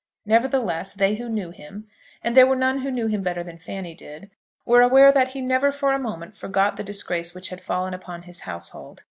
Nevertheless, they who knew him, and there were none who knew him better than Fanny did, were aware that he never for a moment forgot the disgrace which had fallen upon his household.